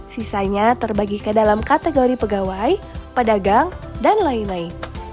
sisanya terbagi ke dalam kategori pegawai pedagang dan lain lain